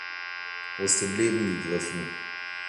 Aus dem Leben gegriffen.